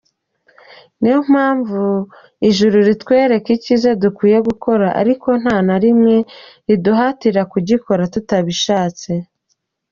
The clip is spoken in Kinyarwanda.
Niyo mpamvu Ijuru ritwereka icyiza dukwiye gukora ariko nta na rimwe riduhatira kugikora tutabishatse.